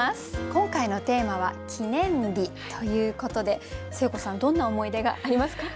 今回のテーマは「記念日」ということで誠子さんどんな思い出がありますか？